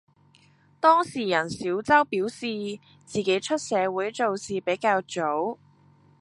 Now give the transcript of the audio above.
當事人小周表示，自己出社會做事比較早。